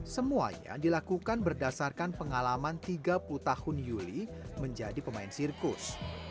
semuanya dilakukan berdasarkan pengalaman tiga puluh tahun yuli menjadi pemain sirkus